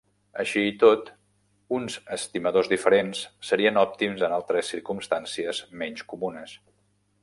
Així i tot, uns estimadors diferents serien òptims en altres circumstàncies menys comunes.